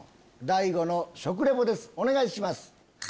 大悟の食リポですお願いします。